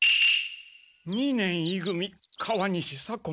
二年い組川西左近。